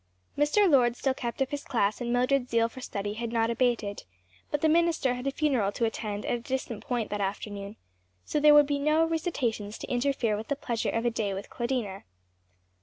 Mr. Lord still kept up his class and Mildred's zeal for study had not abated, but the minister had a funeral to attend at a distant point that afternoon; so there would be no recitations to interfere with the pleasure of a day with Claudina.